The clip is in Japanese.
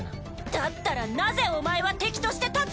だったらなぜお前は敵として立つ！？